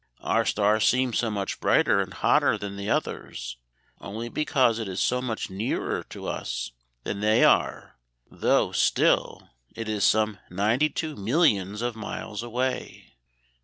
Our star seems so much brighter and hotter than the others, only because it is so much nearer to us than they are, though still it is some ninety two millions of miles away."